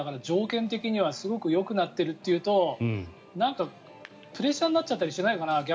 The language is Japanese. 条件的にはすごくよくなっているというとなんかプレッシャーになっちゃったりしないのかな